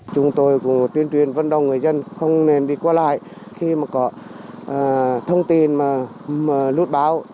chúng tôi cũng tuyên truyền vân đông người dân không nên đi qua lại khi mà có thông tin mà lút báo